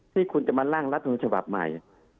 ที่คุณจะมาล่างรัฐธรรมชาวบับใหม่